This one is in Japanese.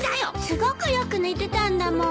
すごくよく寝てたんだもん。